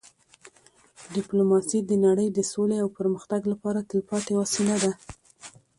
ډيپلوماسي د نړی د سولې او پرمختګ لپاره تلپاتې وسیله ده.